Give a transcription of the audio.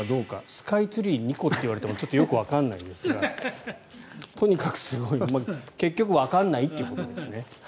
スカイツリー２個といわれてもよくわからないですがとにかくすごい。結局わからないってことですね。